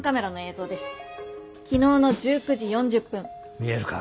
見えるか？